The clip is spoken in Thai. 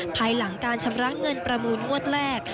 ภายหลังการชำระเงินประมูลงวดแรก